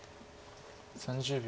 ３０秒。